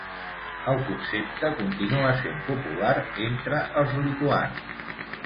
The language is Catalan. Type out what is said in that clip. El concepte continua sent popular entre els lituans.